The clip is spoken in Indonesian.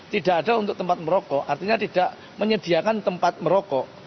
tidak ada untuk tempat merokok artinya tidak menyediakan tempat merokok